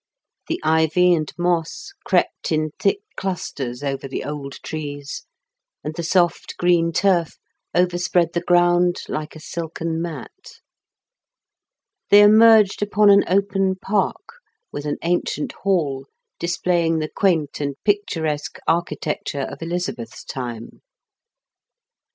The ivy and moss crept in thick clusters over the old trees, and the soft green turf over spread the ground like a silken mat. They emerged upon an open park, with an ancient hall, displa3dng the quaint and picturesque architecture of Elizabeth's time.